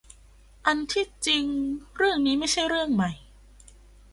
อันที่จริงเรื่องนี้ไม่ใช่เรื่องใหม่